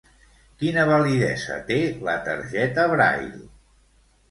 Quina validesa té la targeta Braile?